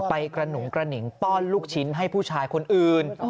ไปกระหนุงกระหนิงป้อนลูกชิ้นให้ผู้ชายคนอื่น